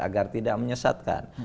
agar tidak menyesatkan